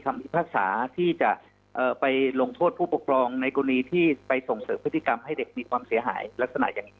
พิพากษาที่จะไปลงโทษผู้ปกครองในกรณีที่ไปส่งเสริมพฤติกรรมให้เด็กมีความเสียหายลักษณะอย่างนี้